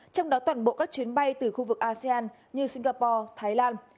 trong đó toàn bộ các chuyến bay từ khu vực asean như singapore thái lan